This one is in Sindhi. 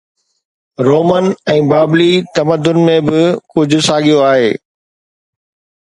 رومن ۽ بابلي تمدن ۾ به ڪجهه ساڳيو آهي